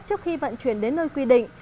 trước khi vận chuyển đến nơi quy định